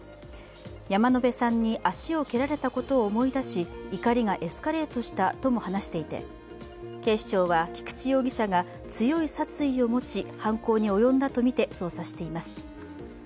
山野辺さんに足を蹴られたことを思い出し怒りがエスカレートしたとも話していて警視庁は菊池容疑者が強い殺意を持ち犯行に及んだとみて捜査しています。